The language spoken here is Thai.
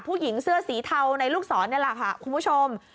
ผู้หญิงเสื้อสีเทาในลูกศรนี่แหละค่ะคุณผู้ชม